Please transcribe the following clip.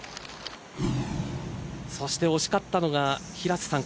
そして惜しかったのが平瀬さん